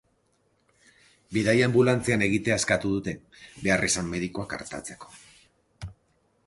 Bidaia anbulantzian egitea eskatu dute, beharrizan medikoak artatzeko.